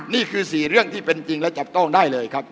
นี่คือ๔เรื่องที่เป็นจริงและจับต้องได้เลยครับ